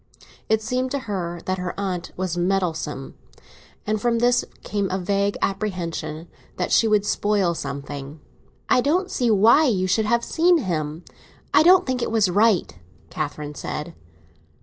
It seemed to her that her aunt was meddlesome; and from this came a vague apprehension that she would spoil something. "I don't see why you should have seen him. I don't think it was right," Catherine said.